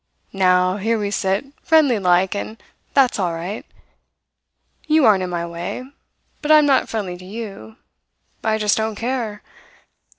Now, here we sit, friendly like, and that's all right. You aren't in my way. But I am not friendly to you. I just don't care.